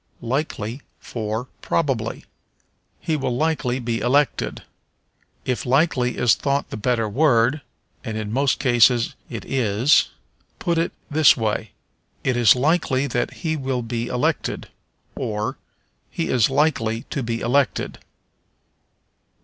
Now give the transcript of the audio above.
Likely for Probably. "He will likely be elected." If likely is thought the better word (and in most cases it is) put it this way: "It is likely that he will be elected," or, "He is likely to be elected."